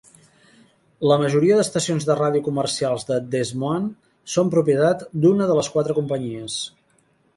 La majora d"estacions de ràdio comercials de Des Moine són propietat d"una de les quatre companyies.